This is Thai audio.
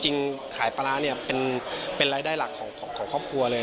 จริงขายปลาร้าเนี่ยเป็นรายได้หลักของครอบครัวเลย